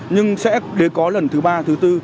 nhưng sẽ có lần thứ ba thứ tư